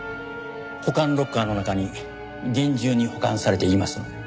保管ロッカーの中に厳重に保管されていますので。